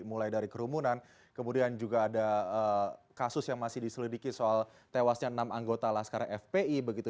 mulai dari kerumunan kemudian juga ada kasus yang masih diselidiki soal tewasnya enam anggota laskar fpi begitu